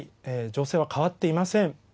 情勢は変わっていません。